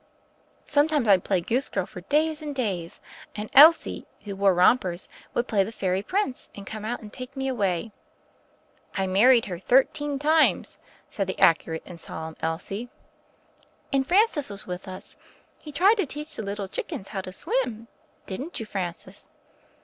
Sometimes I'd play goose girl for days and days. And Elsie, who wore rompers, would play the fairy prince, and come out and take me away." "I married her thirteen times," said the accu rate and solemn Elsie. "And Francis was with us. He tried to teach the little chickens how to swim, didn't you, Francis?"